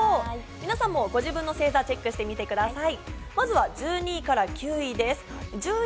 皆さんもご自分の星座をチェックしてみてください。